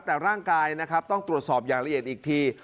แต่ร่างกายนะครับต้องตรวจสอบอย่างละเอียดอีกที